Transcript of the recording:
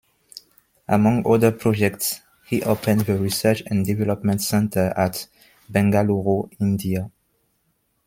Among other projects, he opened the Research and Development center at Bengaluru, India.